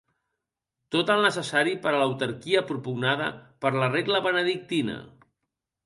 Tot el necessari per a l'autarquia propugnada per la regla benedictina.